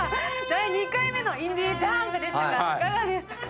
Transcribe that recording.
第２回目のインディ・ジャーンプでしたがいかがでしたか？